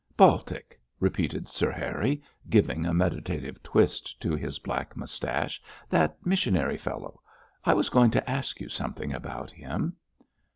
'Baltic!' repeated Sir Harry, giving a meditative twist to his black moustache, 'that missionary fellow. I was going to ask you something about him!'